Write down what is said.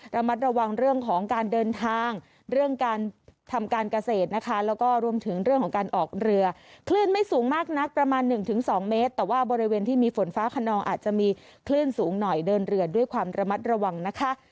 ระมัดระวังเรื่องของการเดินทางเรื่องการทำการเกษตรนะคะแล้วก็รวมถึงเรื่องของการออกเรือคลื่นไม่สูงมากนักประมาณ๑๒เมตรแต่ว่าบริเวณที่มีฝนฟ้าขนองอาจจะมีคลื่นสูงหน่อยเดินเรือด้วยความระมัดระวังนะคะ